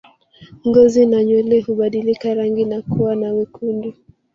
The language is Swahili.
Ngozi na nywele hubadilika rangi na kuwa na wekundu